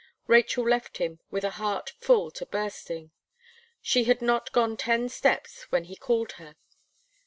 Rachel left him with a heart full to bursting. She had not gone ten steps when he called her.